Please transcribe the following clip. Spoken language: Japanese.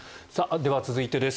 では、続いてです。